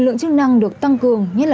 sớm để được an toàn